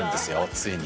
ついに。